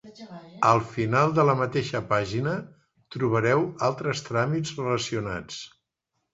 Al final de la mateixa pàgina trobareu altres tràmits relacionats.